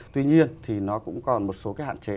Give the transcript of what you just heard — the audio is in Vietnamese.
tuy nhiên thì nó cũng còn một số cái hạn chế